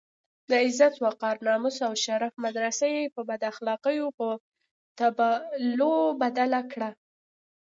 د عزت، وقار، ناموس او شرف مدرسه یې بد اخلاقيو په تابلو بدله کړه.